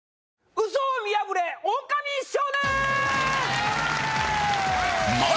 ウソを見破れオオカミ少年ー！